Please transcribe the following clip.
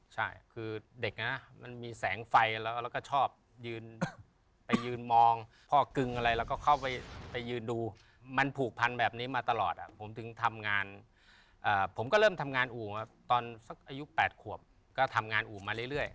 ใช่คือเด็กนะมันมีแสงไฟแล้วก็ชอบยืนไปยืนมองพ่อกึงอะไรแล้วก็เข้าไปยืนดูมันผูกพันแบบนี้มาตลอดผมถึงทำงานผมก็เริ่มทำงานอู่ตอนสักอายุ๘ขวบก็ทำงานอู่มาเรื่อย